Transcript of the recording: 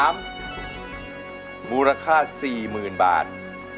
มูลค่า๔๐๐๐บาท